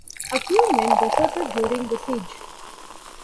A few men deserted during the siege.